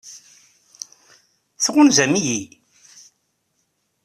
Tɣunzam-iyi?